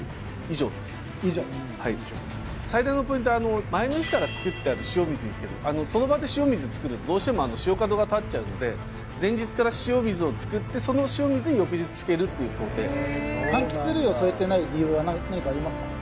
以上最大のポイントは前の日から作ってある塩水につけるその場で塩水作るとどうしても塩角が立っちゃうんで前日から塩水を作ってその塩水に翌日つけるっていう工程柑橘類を添えてない理由は何かありますか？